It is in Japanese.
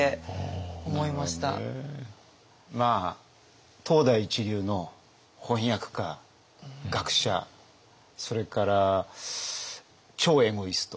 まあ当代一流の翻訳家学者それから超エゴイスト。